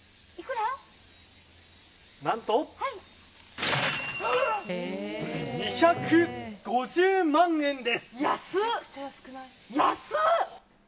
何と、２５０万円です！